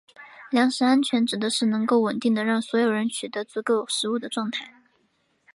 粮食安全指的是能够稳定地让所有人取得足够食物的状态。